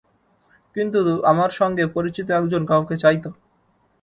কিন্তু আমার সঙ্গে পরিচিত একজন কাউকে চাই তো।